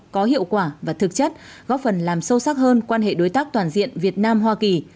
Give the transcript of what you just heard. có hiệu quả và thực chất góp phần làm sâu sắc hơn quan hệ đối tác toàn diện việt nam hoa kỳ